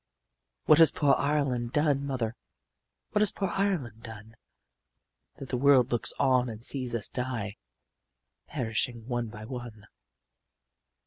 "'What has poor Ireland done, mother, What has poor Ireland done, That the world looks on and sees us die, Perishing one by one?